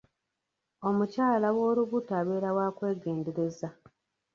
Omukyala w'olubuto abeera wa kwegendereza.